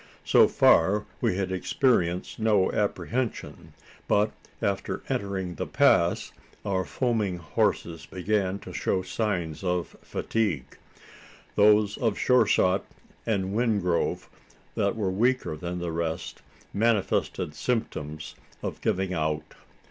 So far we had experienced no apprehension; but, after entering the pass, our foaming horses began to show signs of fatigue. Those of Sure shot and Wingrove, that were weaker than the rest, manifested symptoms of giving out.